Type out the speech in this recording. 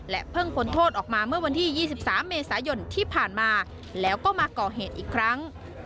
เพิ่งพ้นโทษออกมาเมื่อวันที่๒๓เมษายนที่ผ่านมาแล้วก็มาก่อเหตุอีกครั้ง